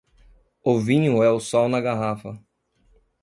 O vinho é o sol na garrafa.